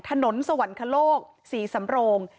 ถนนสวรรค์โลกสีสำโรง